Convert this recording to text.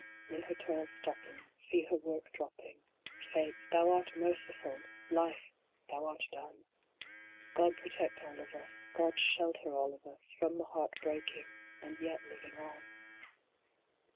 In her toil stopping, See her work dropping Fate, thou art merciful ! Life, thou art done ! God protect all of us God shelter all of us From the heart breaking, and yet living on